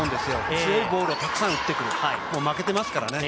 強いボールをたくさん打ってくる、負けてますからね。